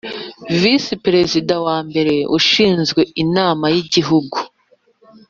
Visi Perezida wa mbere ushinzwe inama yigihugu